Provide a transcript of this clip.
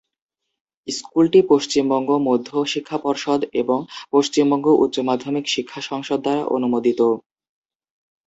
স্কুলটি পশ্চিমবঙ্গ মধ্য শিক্ষা পর্ষদ এবং পশ্চিমবঙ্গ উচ্চমাধ্যমিক শিক্ষা সংসদ দ্বারা অনুমোদিত।